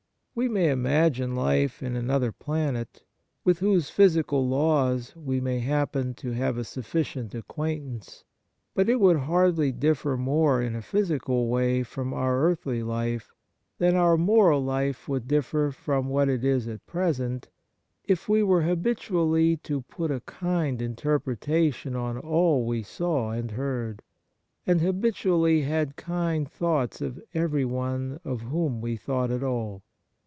We may imagine life in another planet, with whose physical laws we may happen to have a sufficient acquaintance. But it would hardly differ more in a physical way from our earthly life, than our moral life would differ from what it is at present, if we were habitually to put a kind inter pretation on all we saw and heard, and habitually had kind thoughts of everyone Kind Thoughts 63 of whom we thought at all.